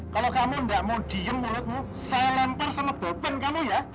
kalau kamu tidak mau diam mulutmu saya lempar semua beban kamu ya